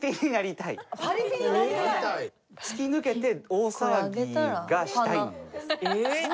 突き抜けて大騒ぎがしたいんです。